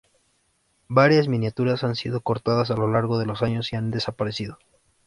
Varias miniaturas han sido cortadas a lo largo de los años y han desaparecido